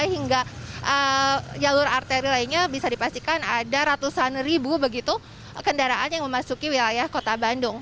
hingga jalur arteri lainnya bisa dipastikan ada ratusan ribu begitu kendaraan yang memasuki wilayah kota bandung